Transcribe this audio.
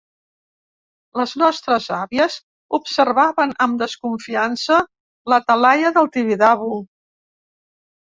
Les nostres àvies observaven amb desconfiança la talaia del Tibidabo.